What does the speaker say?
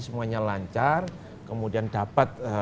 semuanya lancar kemudian dapat